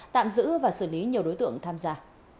tạm giữ và xử lý nhiều đối tượng tham gia